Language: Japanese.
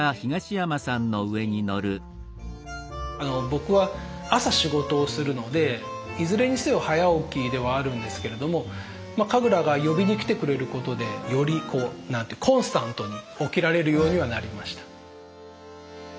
僕は朝仕事をするのでいずれにせよ早起きではあるんですけれどもカグラが呼びに来てくれることでよりコンスタントに起きられるようにはなりました。